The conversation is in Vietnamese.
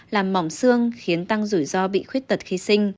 làm mỏng xương khiến tăng rủi ro bị khuyết tật khi sinh